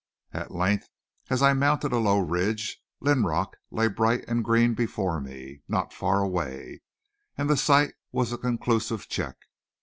At length, as I mounted a low ridge, Linrock lay bright and green before me, not faraway, and the sight was a conclusive check.